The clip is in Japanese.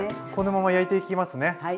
このまま焼いていきますね。